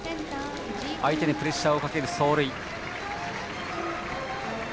相手にプレッシャーをかける走塁。